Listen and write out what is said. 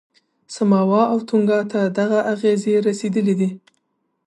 ساموا او تونګا ته دغه اغېزې رسېدلې دي.